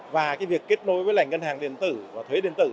và việc kết nối với lành ngân hàng điện tử và thuế điện tử